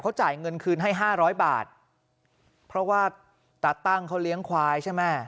เขาจ่ายเงินคืนให้ห้าร้อยบาทเพราะว่าตาตั้งเขาเลี้ยงควายใช่ไหม